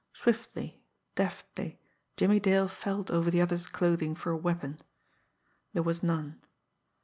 Swiftly, deftly, Jimmie Dale felt over the other's clothing for a weapon. There was none.